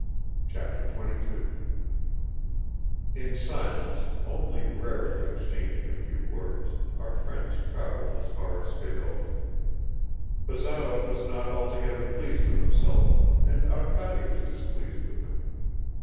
Chapter 22 IN SILENCE, ONLY RARELY EXCHANGING A FEW WORDS, OUR friends traveled as far as Fedot's. Bazarov was not altogether pleased with himself, and Arkady was displeased with him.